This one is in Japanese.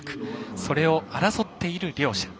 それを争っている両者。